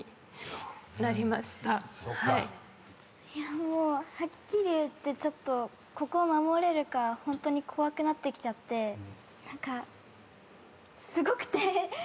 もうはっきり言ってここ守れるかホントに怖くなってきちゃって何かすごくて。